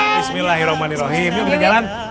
bismillahirrahmanirrahim yuk kita jalan